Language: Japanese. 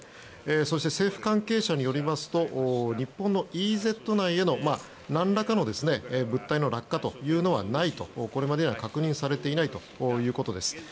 そして、政府関係者によりますと日本のＥＥＺ内へのなんらかの物体の落下というのはないとこれまでに確認されていないということです。